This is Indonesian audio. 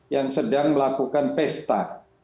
yang sedang melakukan pesta